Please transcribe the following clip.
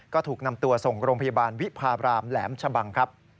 ก็ถูกนำตัวส่งโรงพยาบาลวิพาบรามแหลมชะบังครับ